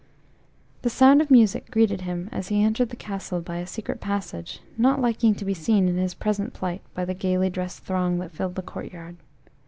The sound of music greeted him as he entered the castle by a secret passage, not liking to be seen in his present plight by the gaily dressed throng that filled the courtyard.